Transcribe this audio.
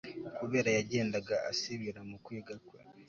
kubera yagendaga asibira mu kwiga kwe